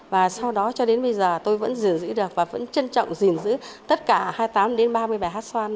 và sau đó cho đến bây giờ tôi vẫn giữ được và vẫn trân trọng gìn giữ tất cả hai mươi tám đến ba mươi bài hát xoan